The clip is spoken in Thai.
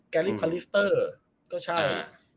แกรลิปคอนลิสเตอร์ก็ใช่